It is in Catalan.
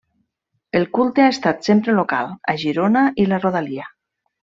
El culte ha estat sempre local, a Girona i la rodalia.